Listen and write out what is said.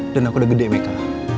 dan aku udah gede mika